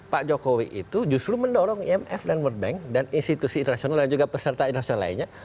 pak jokowi itu justru mendorong imf dan world bank dan institusi internasional dan juga peserta internasional lainnya